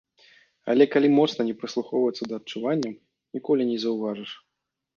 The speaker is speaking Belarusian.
Але калі моцна не прыслухоўвацца да адчуванняў, ніколі не заўважыш.